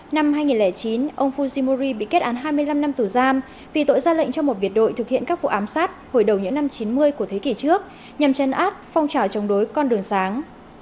năm hai nghìn chín ông fusimori bị kết án hai mươi năm năm tù giam vì tội ra lệnh cho một biệt đội thực hiện các vụ ám sát hồi đầu những năm chín mươi của thế kỷ trước nhằm chấn áp phong trào chống đối con đường sáng